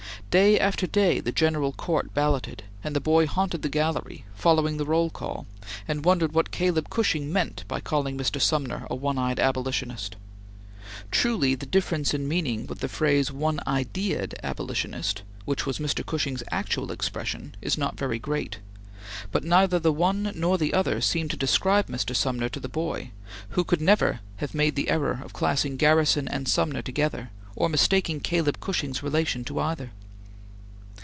Day after day, the General Court balloted; and the boy haunted the gallery, following the roll call, and wondered what Caleb Cushing meant by calling Mr. Sumner a "one eyed abolitionist." Truly the difference in meaning with the phrase "one ideaed abolitionist," which was Mr. Cushing's actual expression, is not very great, but neither the one nor the other seemed to describe Mr. Sumner to the boy, who never could have made the error of classing Garrison and Sumner together, or mistaking Caleb Cushing's relation to either.